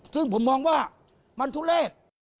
ซึ่งผมมองว่ามันทุเลศ